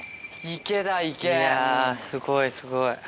いやすごいすごい。